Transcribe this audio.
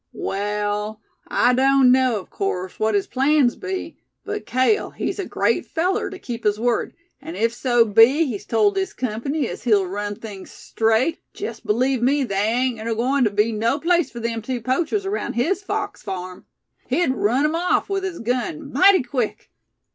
"Wall, I doan't know, of course, what his plans be, but Cale, he's a great feller tew keep his word; an' if so be he's told this company as he'll run things straight jest believe me they ain't agoin' tew be no place for them two poachers around his fox farm. He'd run 'em off with his gun mighty quick.